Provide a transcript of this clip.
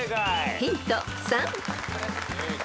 ［ヒント３］